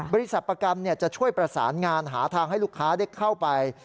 บริษัทประกันจะช่วยประสานงานหาทางให้ลูกค้าได้เข้าไป